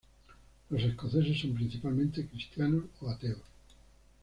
Los escoceses son principalmente cristianos o ateos.